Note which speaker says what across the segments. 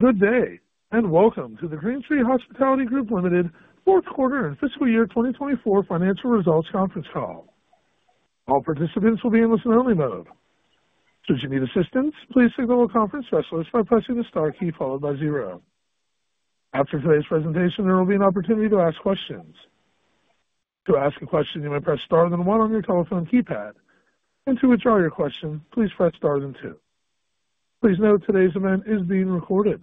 Speaker 1: Good day, and welcome to the GreenTree Hospitality Group Limited Fourth Quarter and Fiscal Year 2024 Financial Results Conference Call. All participants will be in listen-only mode. Should you need assistance, please signal a conference specialist by pressing the star key followed by zero. After today's presentation, there will be an opportunity to ask questions. To ask a question, you may press star then one on your telephone keypad. To withdraw your question, please press star then two. Please note today's event is being recorded.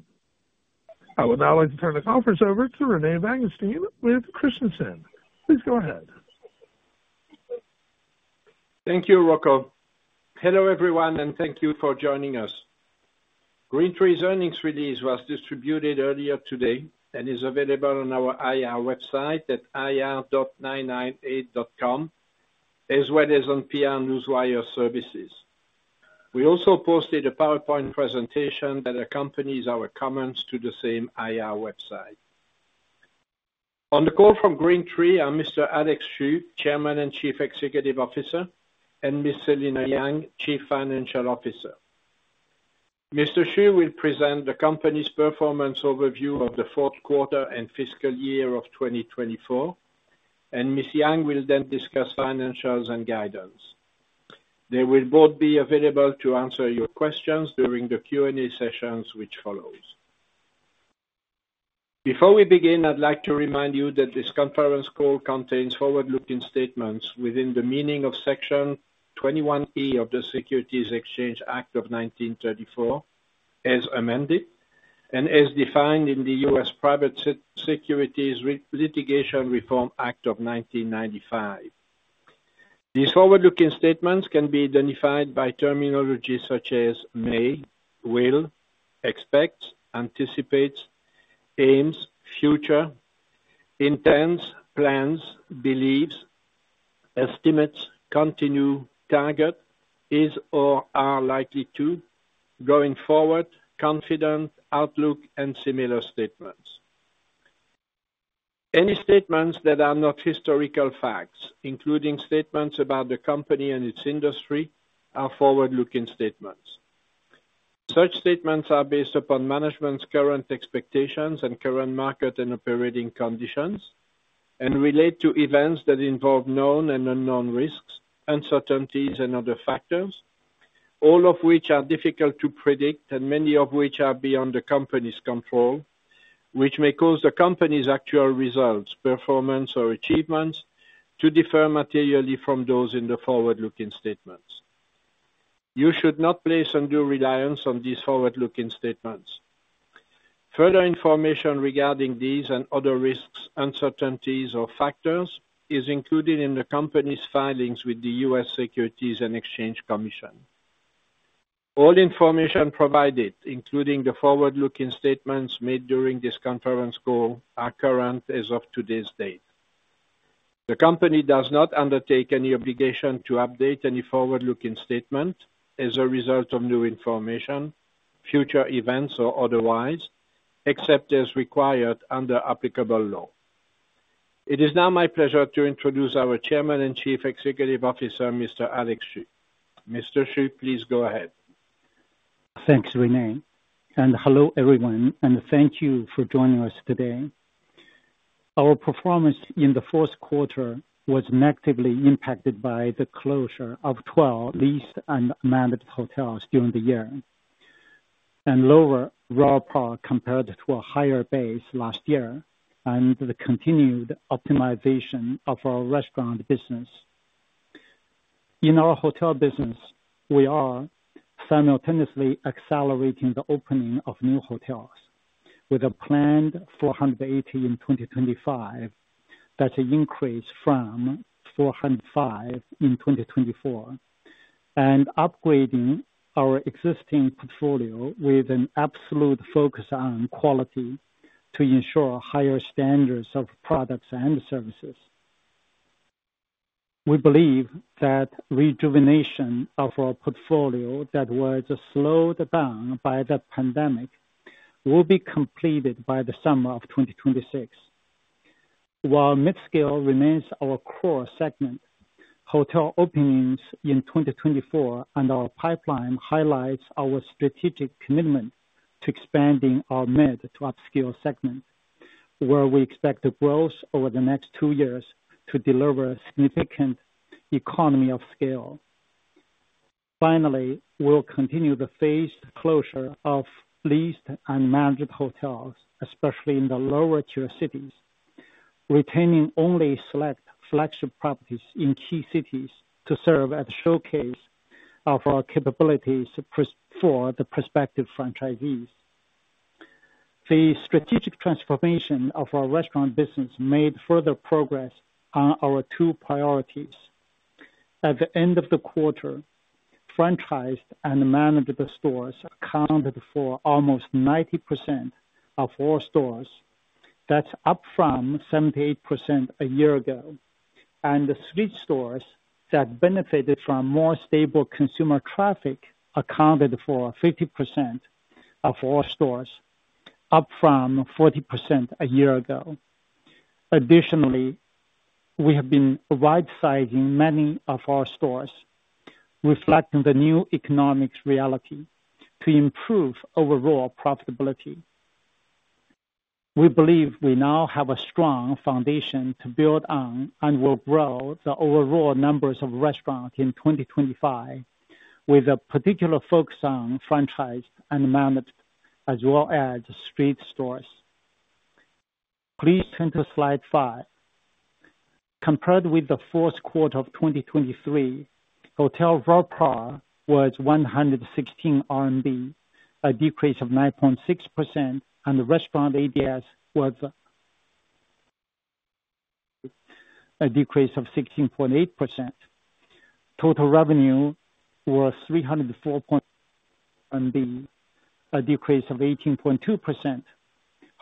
Speaker 1: I would now like to turn the conference over to Rene Vanguestaine with Christensen. Please go ahead.
Speaker 2: Thank you, Rocco. Hello everyone, and thank you for joining us. GreenTree's earnings release was distributed earlier today and is available on our IR website at ir.ninetynineeight.com, as well as on PR Newswire Services. We also posted a PowerPoint presentation that accompanies our comments to the same IR website. On the call from GreenTree, I'm Mr. Alex Xu, Chairman and Chief Executive Officer, and Ms. Selina Yang, Chief Financial Officer. Mr. Xu will present the company's performance overview of the fourth quarter and fiscal year of 2024, and Ms. Yang will then discuss financials and guidance. They will both be available to answer your questions during the Q&A sessions which follow. Before we begin, I'd like to remind you that this conference call contains forward-looking statements within the meaning of Section 21E of the Securities Exchange Act of 1934, as amended, and as defined in the U.S. Private Securities Litigation Reform Act of 1995. These forward-looking statements can be identified by terminology such as may, will, expects, anticipates, aims, future, intends, plans, believes, estimates, continue, target, is or are likely to, going forward, confident, outlook, and similar statements. Any statements that are not historical facts, including statements about the company and its industry, are forward-looking statements. Such statements are based upon management's current expectations and current market and operating conditions, and relate to events that involve known and unknown risks, uncertainties, and other factors, all of which are difficult to predict and many of which are beyond the company's control, which may cause the company's actual results, performance, or achievements to differ materially from those in the forward-looking statements. You should not place undue reliance on these forward-looking statements. Further information regarding these and other risks, uncertainties, or factors is included in the company's filings with the U.S. Securities and Exchange Commission. All information provided, including the forward-looking statements made during this conference call, are current as of today's date. The company does not undertake any obligation to update any forward-looking statement as a result of new information, future events, or otherwise, except as required under applicable law. It is now my pleasure to introduce our Chairman and Chief Executive Officer, Mr. Alex Xu. Mr. Xu, please go ahead.
Speaker 3: Thanks, Renee. Hello everyone, and thank you for joining us today. Our performance in the fourth quarter was negatively impacted by the closure of 12 leased and managed hotels during the year, and lower RevPAR compared to a higher base last year, and the continued optimization of our restaurant business. In our hotel business, we are simultaneously accelerating the opening of new hotels, with a planned 480 in 2025, that's an increase from 405 in 2024, and upgrading our existing portfolio with an absolute focus on quality to ensure higher standards of products and services. We believe that rejuvenation of our portfolio that was slowed down by the pandemic will be completed by the summer of 2026. While mid-scale remains our core segment, hotel openings in 2024 and our pipeline highlight our strategic commitment to expanding our mid to upscale segment, where we expect the growth over the next two years to deliver significant economy of scale. Finally, we will continue the phased closure of leased and managed hotels, especially in the lower-tier cities, retaining only select flagship properties in key cities to serve as a showcase of our capabilities for the prospective franchisees. The strategic transformation of our restaurant business made further progress on our two priorities. At the end of the quarter, franchised and managed stores accounted for almost 90% of all stores, that is up from 78% a year ago, and street stores that benefited from more stable consumer traffic accounted for 50% of all stores, up from 40% a year ago. Additionally, we have been rightsizing many of our stores, reflecting the new economic reality to improve overall profitability. We believe we now have a strong foundation to build on and will grow the overall numbers of restaurants in 2025, with a particular focus on franchised and managed, as well as street stores. Please turn to slide five. Compared with the fourth quarter of 2023, hotel RevPAR was 116 RMB, a decrease of 9.6%, and restaurant ADS was a decrease of 16.8%. Total revenue was 304.8 million, a decrease of 18.2%.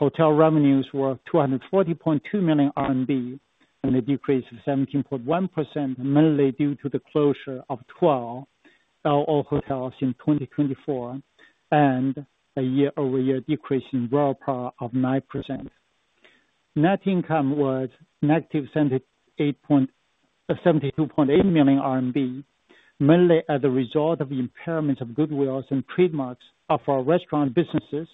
Speaker 3: Hotel revenues were 240.2 million RMB, and a decrease of 17.1%, mainly due to the closure of 12 LO hotels in 2024 and a year-over-year decrease in RevPAR of 9%. Net income was negative 72.8 million RMB, mainly as a result of impairments of goodwill and trademarks of our restaurant businesses,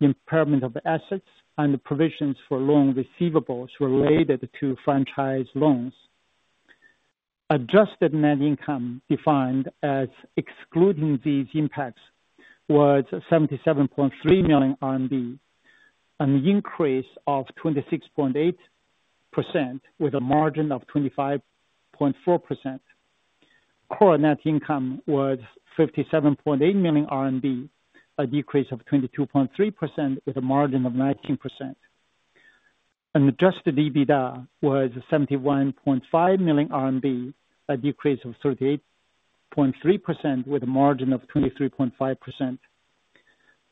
Speaker 3: impairment of assets, and provisions for loan receivables related to franchise loans. Adjusted net income, defined as excluding these impacts, was 77.3 million RMB, an increase of 26.8%, with a margin of 25.4%. Core net income was 57.8 million RMB, a decrease of 22.3%, with a margin of 19%. Adjusted EBITDA was 71.5 million RMB, a decrease of 38.3%, with a margin of 23.5%.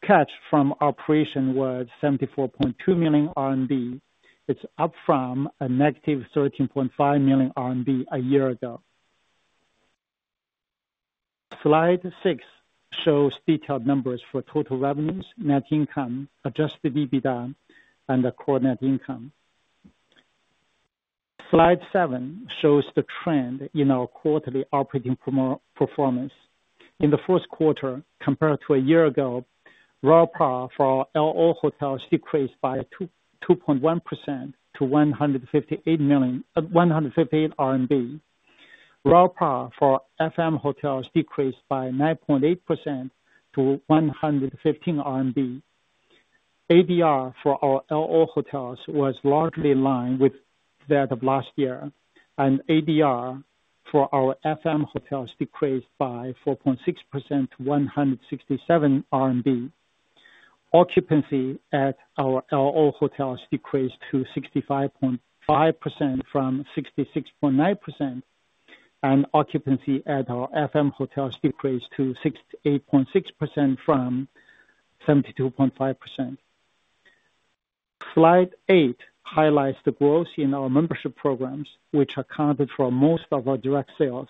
Speaker 3: Cash from operation was 74.2 million RMB, up from negative 13.5 million RMB a year ago. Slide six shows detailed numbers for total revenues, net income, adjusted EBITDA, and core net income. Slide seven shows the trend in our quarterly operating performance. In the fourth quarter, compared to a year ago, RevPAR for our L&Ohotels decreased by 2.1% to 158. RevPAR for F&M hotels decreased by 9.8% to 115 RMB. ADR for our L&O hotels was largely aligned with that of last year, and ADR for our F&M hotels decreased by 4.6% to 167 RMB. Occupancy at our L&O hotels decreased to 65.5% from 66.9%, and occupancy at our F&M hotels decreased to 68.6% from 72.5%. Slide eight highlights the growth in our membership programs, which accounted for most of our direct sales.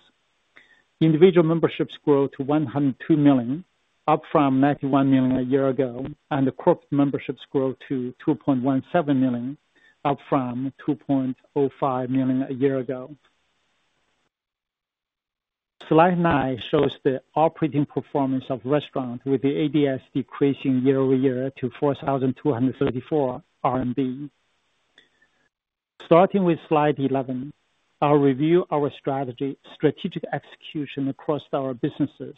Speaker 3: Individual memberships grew to 102 million, up from 91 million a year ago, and the corporate memberships grew to 2.17 million, up from 2.05 million a year ago. Slide nine shows the operating performance of restaurants, with the ADS decreasing year-over-year to RMB 4,234. Starting with slide 11, I'll review our strategic execution across our businesses.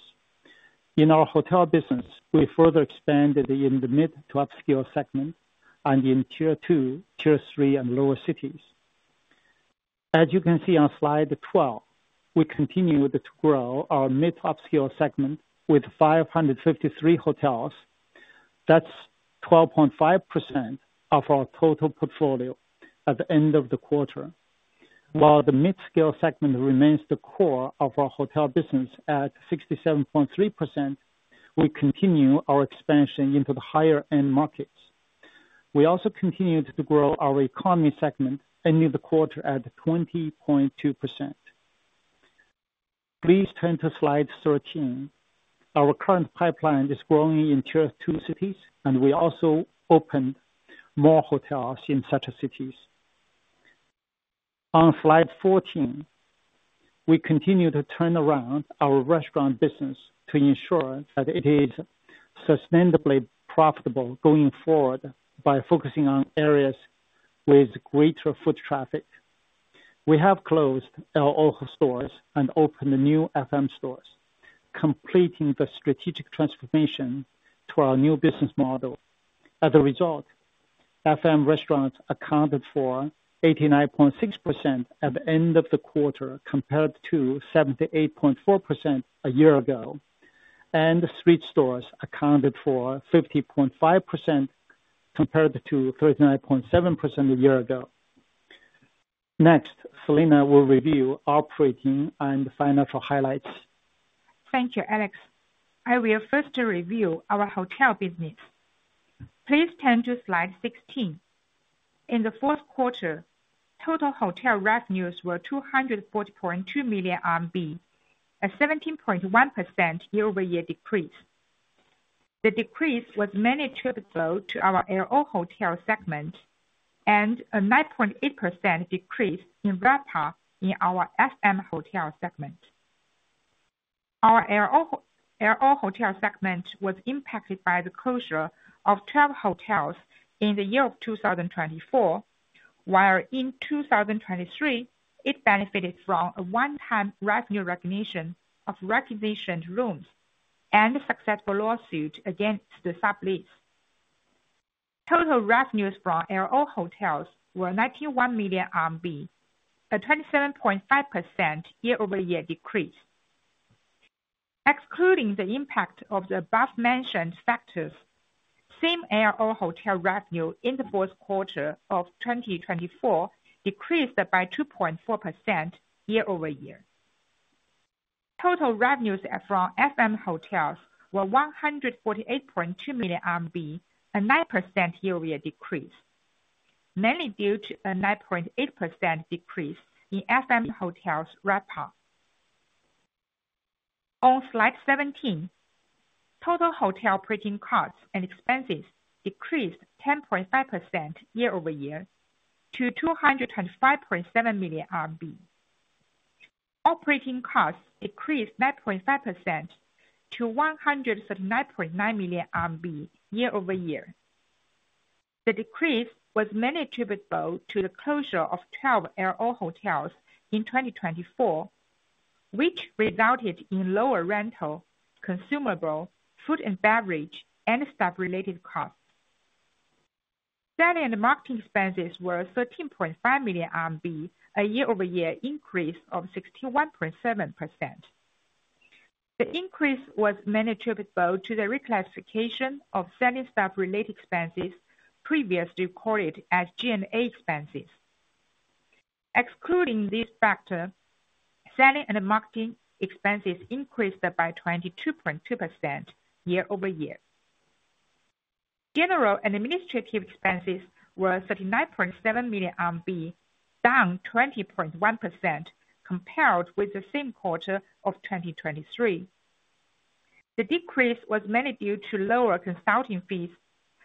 Speaker 3: In our hotel business, we further expanded the midto upscale segment and the tier two, tier three, and lower cities. As you can see on slide 12, we continue to grow our mid to upscale segment with 553 hotels. That's 12.5% of our total portfolio at the end of the quarter. While the mid-scale segment remains the core of our hotel business at 67.3%, we continue our expansion into the higher end markets. We also continued to grow our economy segment ending the quarter at 20.2%. Please turn to slide 13. Our current pipeline is growing in tier two cities, and we also opened more hotels in such cities. On slide 14, we continue to turn around our restaurant business to ensure that it is sustainably profitable going forward by focusing on areas with greater foot traffic. We have closed L&O stores and opened new F&M stores, completing the strategic transformation to our new business model. As a result, F&M restaurants accounted for 89.6% at the end of the quarter compared to 78.4% a year ago, and street stores accounted for 50.5% compared to 39.7% a year ago. Next, Selina will review operating and financial highlights.
Speaker 4: Thank you, Alex. I will first review our hotel business. Please turn to slide 16. In the fourth quarter, total hotel revenues were 240.2 million RMB, a 17.1% year-over-year decrease. The decrease was mainly attributable to our L&O hotel segment and a 9.8% decrease in RevPAR in our F&M hotel segment. Our L&O hotel segment was impacted by the closure of 12 hotels in the year of 2024, while in 2023, it benefited from a one-time revenue recognition of recognition rooms and a successful lawsuit against the sublease. Total revenues from L&O hotels were 91 million RMB, a 27.5% year-over-year decrease. Excluding the impact of the above-mentioned factors, same L&O hotel revenue in the fourth quarter of 2024 decreased by 2.4% year-over-year. Total revenues from F&M hotels were 148.2 million RMB, a 9% year-over-year decrease, mainly due to a 9.8% decrease in F&M hotels' RevPAR. On slide 17, total hotel operating costs and expenses decreased 10.5% year-over-year to 225.7 million RMB. Operating costs decreased 9.5% to 139.9 million RMB year-over-year. The decrease was mainly attributable to the closure of 12 L&O hotels in 2024, which resulted in lower rental, consumable, food and beverage, and staff-related costs. Selling and marketing expenses were 13.5 million RMB, a year-over-year increase of 61.7%. The increase was mainly attributable to the reclassification of selling staff-related expenses previously recorded as G&A expenses. Excluding these factors, selling and marketing expenses increased by 22.2% year-over-year. General and administrative expenses were 39.7 million RMB, down 20.1% compared with the same quarter of 2023. The decrease was mainly due to lower consulting fees,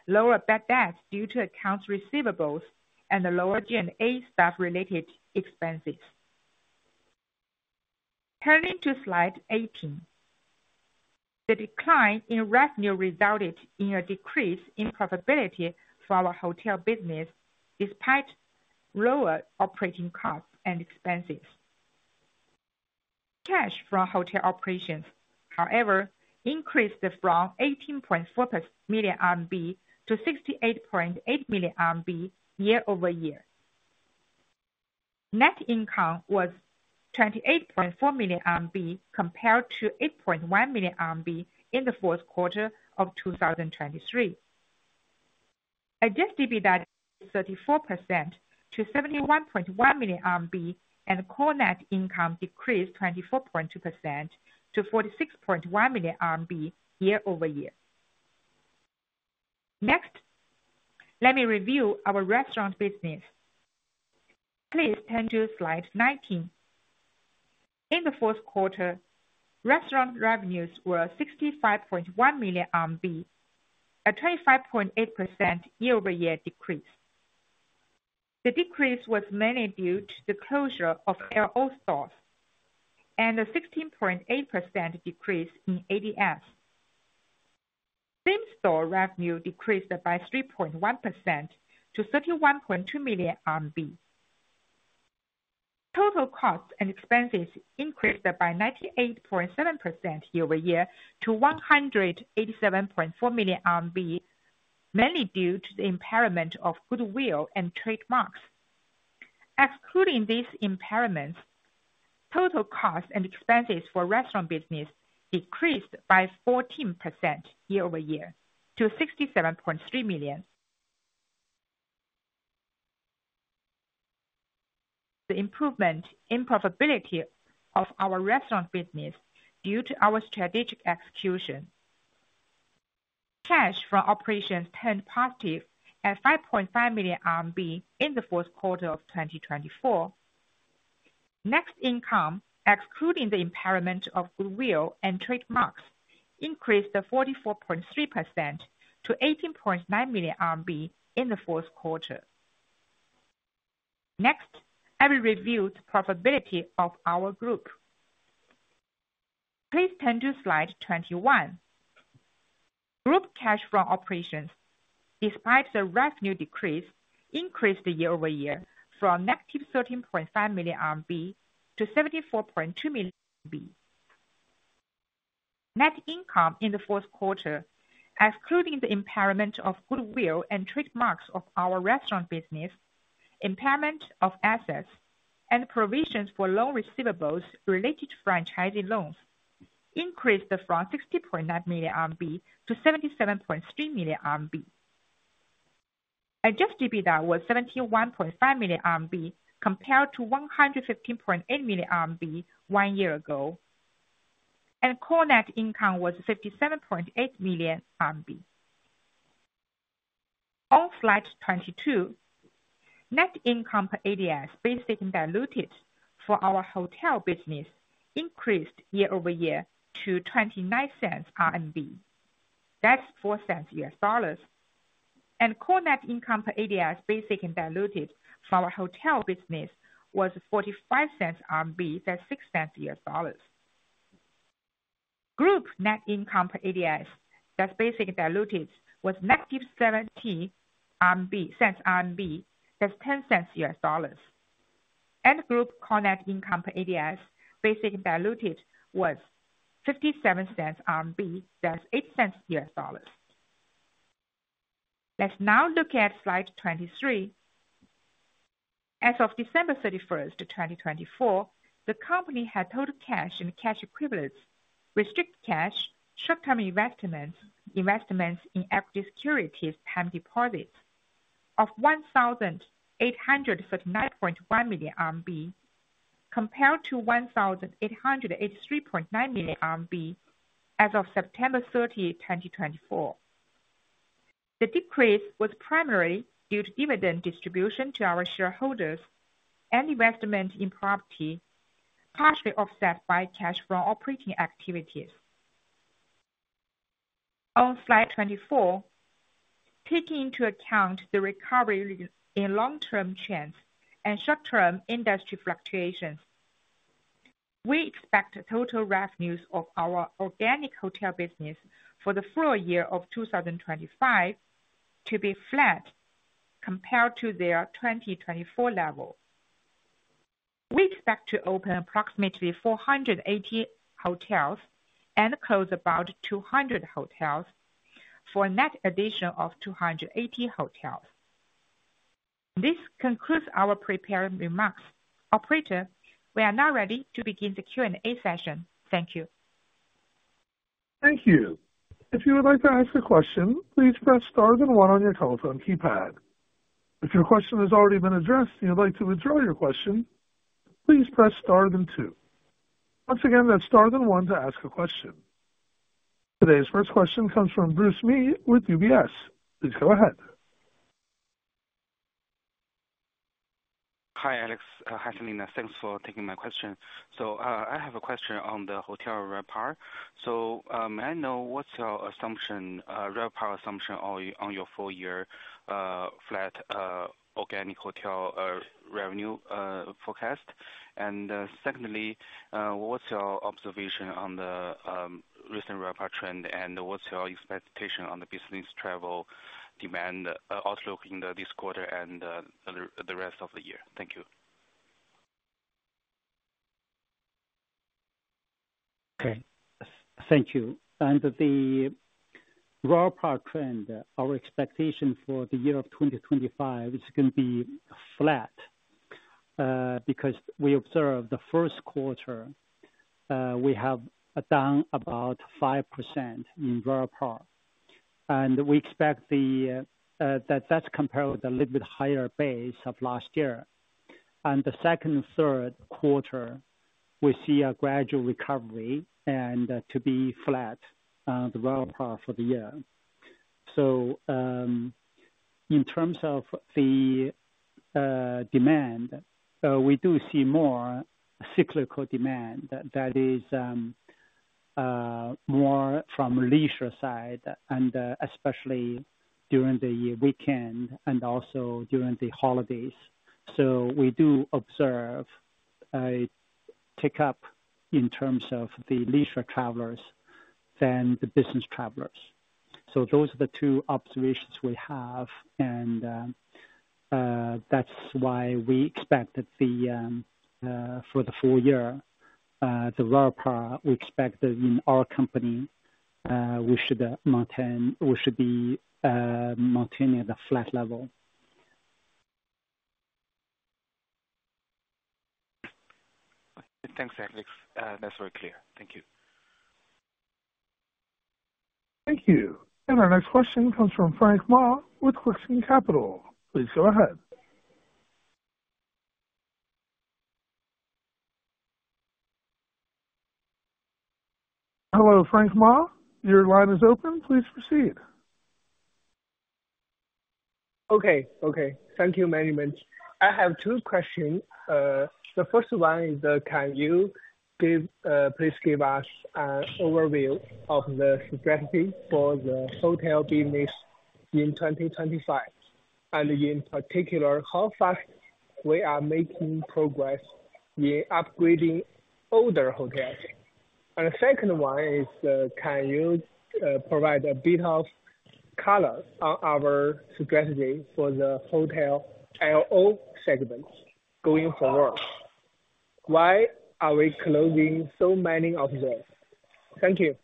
Speaker 4: lower bad debt due to accounts receivables, and lower G&A staff-related expenses. Turning to slide 18, the decline in revenue resulted in a decrease in profitability for our hotel business despite lower operating costs and expenses. Cash from hotel operations, however, increased from 18.4 million RMB to 68.8 million RMB year-over-year. Net income was 28.4 million RMB compared to 8.1 million RMB in the fourth quarter of 2023. Adjusted EBITDA decreased 34% to 71.1 million RMB, and core net income decreased 24.2% to 46.1 million RMB year-over-year. Next, let me review our restaurant business. Please turn to slide 19. In the fourth quarter, restaurant revenues were 65.1 million RMB, a 25.8% year-over-year decrease. The decrease was mainly due to the closure of L&O stores and a 16.8% decrease in ADS. Same store revenue decreased by 3.1% to 31.2 million RMB. Total costs and expenses increased by 98.7% year-over-year to 187.4 million RMB, mainly due to the impairment of goodwill and trademarks. Excluding these impairments, total costs and expenses for restaurant business decreased by 14% year-over-year to RMB 67.3 million. The improvement in profitability of our restaurant business due to our strategic execution. Cash from operations turned positive at 5.5 million RMB in the fourth quarter of 2024. Net income, excluding the impairment of goodwill and trademarks, increased 44.3% to 18.9 million RMB in the fourth quarter. Next, I will review the profitability of our group. Please turn to slide 21. Group cash from operations, despite the revenue decrease, increased year-over-year from negative 13.5 million RMB to 74.2 million RMB. Net income in the fourth quarter, excluding the impairment of goodwill and trademarks of our restaurant business, impairment of assets, and provisions for loan receivables related to franchising loans, increased from 60.9 million RMB to 77.3 million RMB. Adjusted EBITDA was 71.5 million RMB compared to 115.8 million one year ago, and core net income was 57.8 million RMB. On slide 22, net income per ADS basic and diluted for our hotel business increased year-over-year to 0.29. That is $0.04. Core net income per ADS basic and diluted for our hotel business was RMB 0.45, that is $0.06. Group net income per ADS, that is basic and diluted, was negative RMB 0.17, that is $0.10. Group core net income per ADS basic and diluted was RMB 0.57, that is $0.08. Let's now look at slide 23. As of December 31, 2024, the company had total cash and cash equivalents, restricted cash, short-term investments in equity securities, time deposits of 1,839.1 million RMB compared to 1,883.9 million RMB as of September 30, 2024. The decrease was primarily due to dividend distribution to our shareholders and investment in property, partially offset by cash from operating activities. On slide 24, taking into account the recovery in long-term trends and short-term industry fluctuations, we expect total revenues of our organic hotel business for the full year of 2025 to be flat compared to their 2024 level. We expect to open approximately 480 hotels and close about 200 hotels for a net addition of 280 hotels. This concludes our prepared remarks. Operator, we are now ready to begin the Q&A session. Thank you.
Speaker 1: Thank you. If you would like to ask a question, please press star then one on your telephone keypad. If your question has already been addressed and you'd like to withdraw your question, please press star then two. Once again, that's star then one to ask a question. Today's first question comes from Bruce Mee with UBS. Please go ahead.
Speaker 5: Hi, Alex Xu. Thanks for taking my question. I have a question on the hotel RevPAR. May I know what's your assumption, RevPAR assumption on your full-year flat organic hotel revenue forecast? Secondly, what's your observation on the recent RevPAR trend, and what's your expectation on the business travel demand outlook in this quarter and the rest of the year? Thank you.
Speaker 3: Thank you. The RevPAR trend, our expectation for the year of 2025 is going to be flat because we observed the first quarter, we have a down about 5% in RevPAR. We expect that is compared with a little bit higher base of last year. The second and third quarter, we see a gradual recovery and to be flat on the RevPAR for the year. In terms of the demand, we do see more cyclical demand that is more from leisure side, and especially during the weekend and also during the holidays. We do observe a take-up in terms of the leisure travelers than the business travelers. Those are the two observations we have, and that's why we expect that for the full year, the RevPAR we expect that in our company, we should be maintaining at a flat level.
Speaker 5: Thanks, Alex. That's very clear. Thank you.
Speaker 1: Thank you. Our next question comes from Frank Ma with Qixin Capital. Please go ahead. Hello, Frank Ma? Your line is open. Please proceed.
Speaker 6: Okay. Okay. Thank you very much. I have two questions. The first one is, can you please give us an overview of the strategy for the hotel business in 2025? In particular, how fast we are making progress in upgrading older hotels? The second one is, can you provide a bit of color on our strategy for the hotel L&O segments going forward? Why are we closing so many of them? Thank you.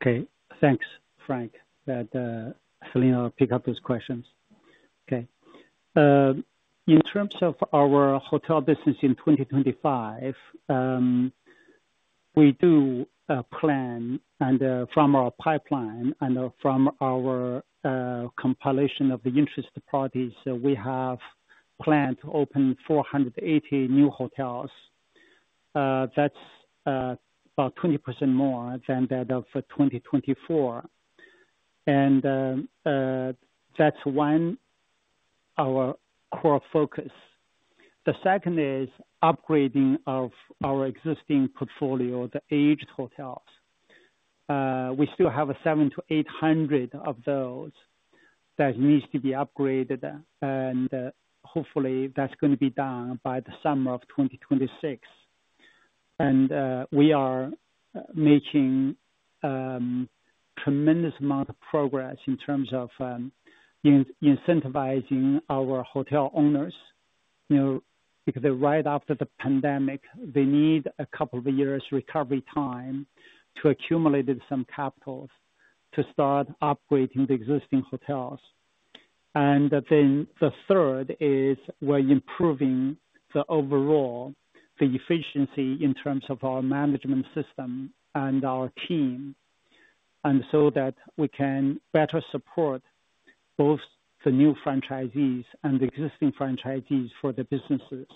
Speaker 3: Okay. Thanks, Frank, that Selina picked up those questions. Okay. In terms of our hotel business in 2025, we do plan, and from our pipeline and from our compilation of the interested parties, we have planned to open 480 new hotels. That's about 20% more than that of 2024. That is one of our core focuses. The second is upgrading of our existing portfolio, the aged hotels. We still have 700-800 of those that need to be upgraded, and hopefully, that is going to be done by the summer of 2026. We are making a tremendous amount of progress in terms of incentivizing our hotel owners because right after the pandemic, they need a couple of years' recovery time to accumulate some capital to start upgrading the existing hotels. The third is we're improving the overall efficiency in terms of our management system and our team so that we can better support both the new franchisees and the existing franchisees for the businesses.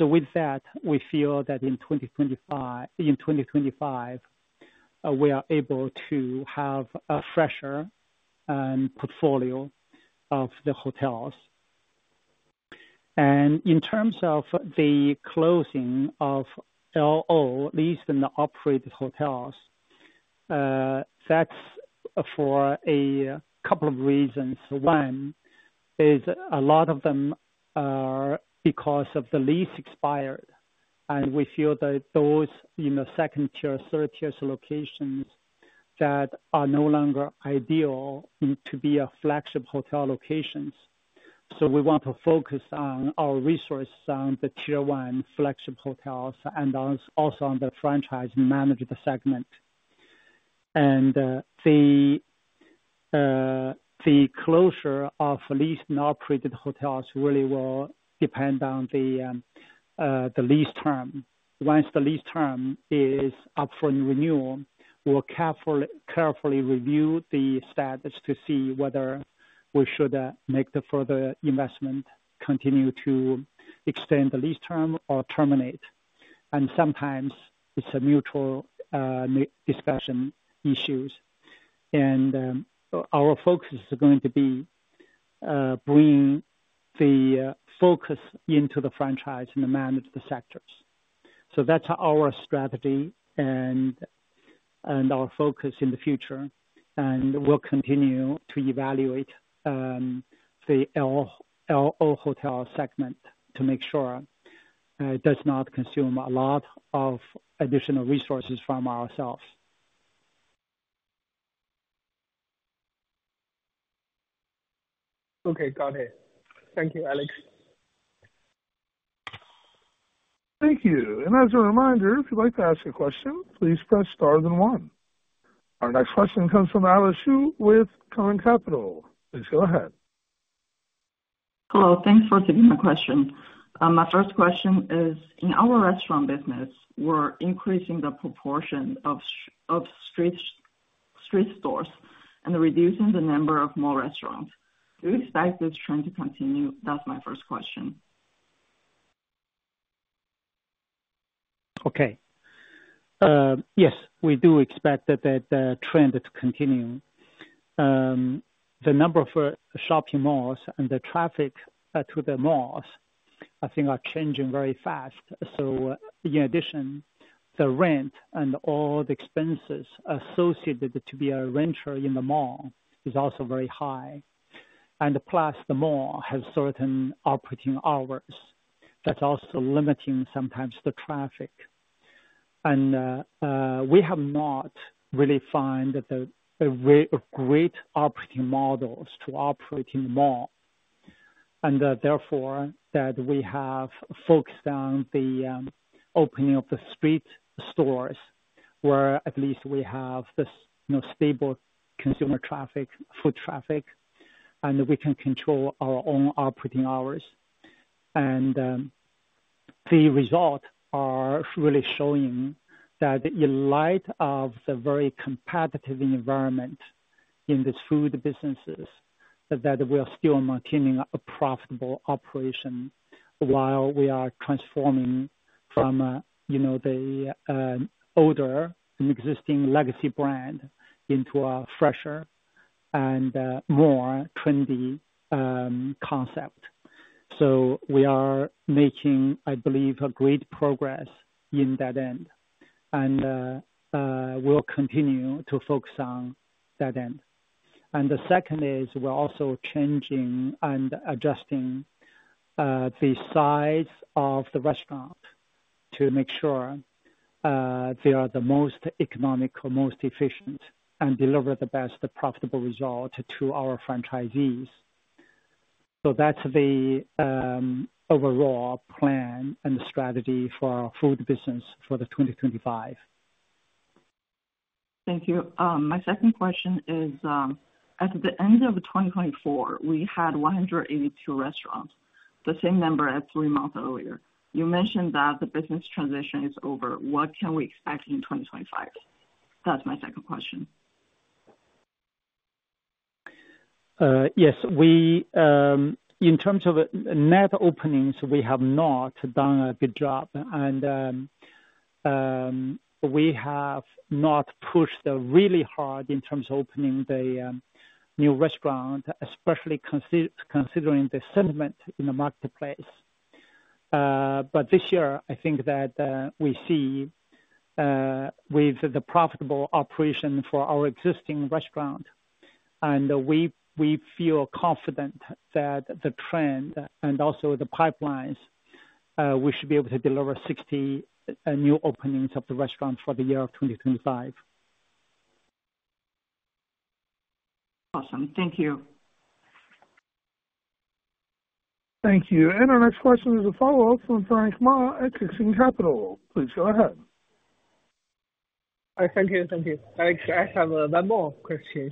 Speaker 3: With that, we feel that in 2025, we are able to have a fresher portfolio of the hotels. In terms of the closing of L&O, leased and operated hotels, that's for a couple of reasons. One is a lot of them are because the lease expired, and we feel that those in the second tier, third tier locations are no longer ideal to be flagship hotel locations. We want to focus our resources on the tier one flagship hotels and also on the franchise management segment. The closure of leased and operated hotels really will depend on the lease term. Once the lease term is up for renewal, we'll carefully review the status to see whether we should make the further investment, continue to extend the lease term, or terminate. Sometimes it's a mutual discussion issues. Our focus is going to be bringing the focus into the franchise and the management sectors. That's our strategy and our focus in the future. We'll continue to evaluate the L&O hotel segment to make sure it does not consume a lot of additional resources from ourselves.
Speaker 6: Okay. Got it. Thank you, Alex.
Speaker 1: Thank you. As a reminder, if you'd like to ask a question, please press star then one. Our next question comes from Alex Xu with Cowen Capital. Please go ahead.
Speaker 7: Hello. Thanks for taking my question. My first question is, in our restaurant business, we're increasing the proportion of street stores and reducing the number of mall restaurants. Do you expect this trend to continue? That's my first question.
Speaker 3: Okay. Yes, we do expect that trend to continue. The number of shopping malls and the traffic to the malls, I think, are changing very fast. In addition, the rent and all the expenses associated to be a renter in the mall is also very high. Plus, the mall has certain operating hours. That is also limiting sometimes the traffic. We have not really found great operating models to operate in the mall. Therefore, we have focused on the opening of the street stores where at least we have the stable consumer traffic, foot traffic, and we can control our own operating hours. The results are really showing that in light of the very competitive environment in these food businesses, we are still maintaining a profitable operation while we are transforming from the older and existing legacy brand into a fresher and more trendy concept. I believe we are making great progress in that end. We will continue to focus on that end. The second is we are also changing and adjusting the size of the restaurant to make sure they are the most economical, most efficient, and deliver the best profitable result to our franchisees. That is the overall plan and the strategy for our food business for 2025.
Speaker 7: Thank you. My second question is, at the end of 2024, we had 182 restaurants, the same number as three months earlier. You mentioned that the business transition is over. What can we expect in 2025? That's my second question.
Speaker 3: Yes. In terms of net openings, we have not done a good job. We have not pushed really hard in terms of opening the new restaurant, especially considering the sentiment in the marketplace. This year, I think that we see with the profitable operation for our existing restaurant, and we feel confident that the trend and also the pipelines, we should be able to deliver 60 new openings of the restaurant for the year of 2025.
Speaker 7: Awesome. Thank you.
Speaker 1: Thank you. Our next question is a follow-up from Frank Ma at Qixin Capital. Please go ahead.
Speaker 6: Thank you. Thank you. I have one more question.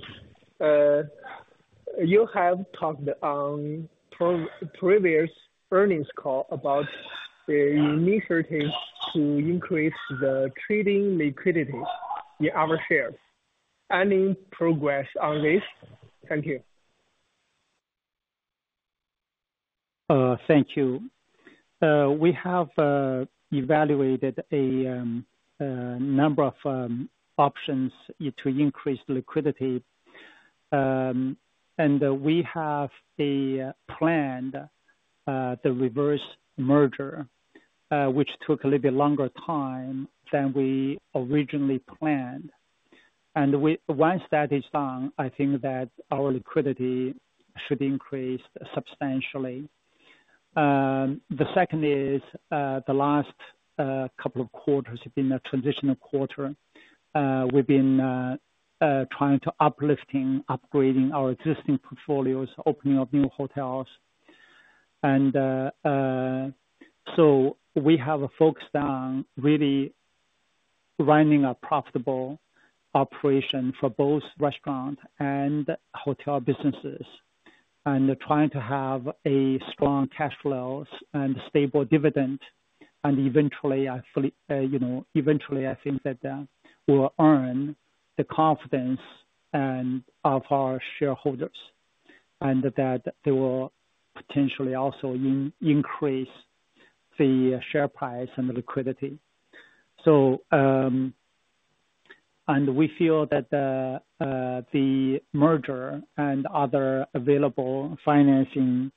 Speaker 6: You have talked on a previous earnings call about the initiative to increase the trading liquidity in our shares. Any progress on this? Thank you.
Speaker 3: Thank you. We have evaluated a number of options to increase liquidity. We have planned the reverse merger, which took a little bit longer time than we originally planned. Once that is done, I think that our liquidity should increase substantially. The last couple of quarters have been a transitional quarter. We've been trying to uplifting, upgrading our existing portfolios, opening up new hotels. We have focused on really running a profitable operation for both restaurant and hotel businesses and trying to have strong cash flows and stable dividend. Eventually, I think that we'll earn the confidence of our shareholders and that they will potentially also increase the share price and the liquidity. We feel that the merger and other available financing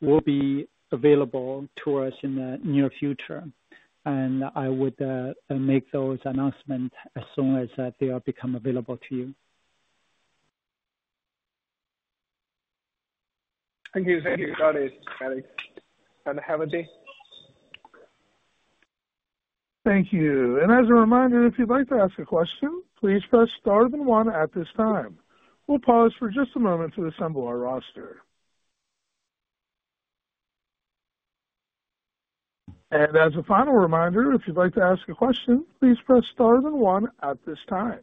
Speaker 3: will be available to us in the near future. I would make those announcements as soon as they become available to you.
Speaker 6: Thank you. Got it. Have a day.
Speaker 1: Thank you. As a reminder, if you'd like to ask a question, please press star then one at this time. We'll pause for just a moment to assemble our roster. As a final reminder, if you'd like to ask a question, please press star then one at this time.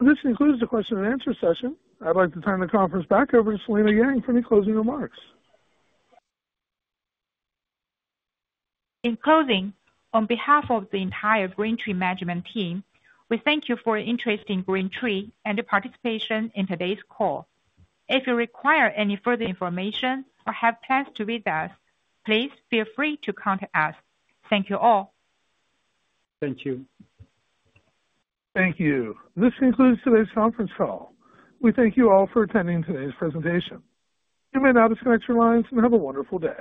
Speaker 1: This concludes the question and answer session. I'd like to turn the conference back over to SelinaYang for any closing remarks.
Speaker 4: In closing, on behalf of the entire GreenTree Management Team, we thank you for your interest in GreenTree and your participation in today's call. If you require any further information or have plans to visit us, please feel free to contact us. Thank you all.
Speaker 3: Thank you.
Speaker 1: Thank you. This concludes today's conference call. We thank you all for attending today's presentation. You may now disconnect your lines and have a wonderful day.